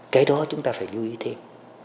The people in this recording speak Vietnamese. cái đó chúng ta phải lưu ý thêm